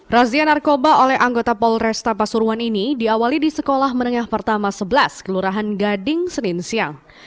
razia narkoba oleh anggota polresta pasuruan ini diawali di sekolah menengah pertama sebelas kelurahan gading senin siang